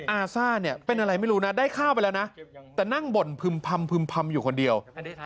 อาซ่าเนี่ยเป็นอะไรไม่รู้นะได้ข้าวไปแล้วนะแต่นั่งบ่นพึ่มอยู่คนเดียว